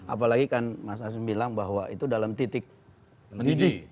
apalagi kan mas hasim bilang bahwa itu dalam titik lidi